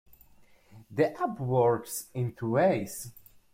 The app works in two ways.